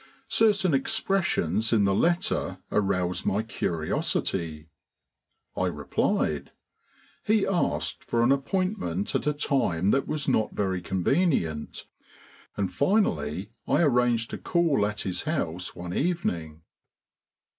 Certain expressions in the letter aroused my curiosity. I replied. He asked for an appointment at a time that was not very convenient, and finally I arranged to call at his house one evening.